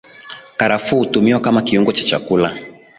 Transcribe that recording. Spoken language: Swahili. Karafuu hutumiwa kama kiungo cha chakula